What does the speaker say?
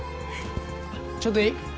ちょっといい？